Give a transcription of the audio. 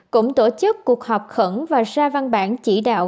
cũng tổ chức cuộc họp khẩn và ra văn bản chỉ đạo